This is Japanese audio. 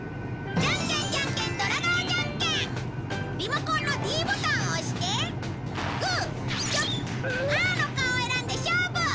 リモコンのｄボタンを押してグーチョキパーの顔を選んで勝負！